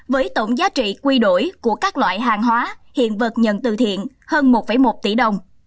với tổng giá trị quy đổi của các loại hàng hóa hiện vật nhận từ thiện hơn một một tỷ đồng